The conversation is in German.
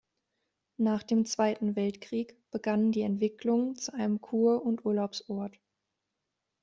Nach dem Zweiten Weltkrieg begann die Entwicklung zu einem Kur- und Urlaubsort.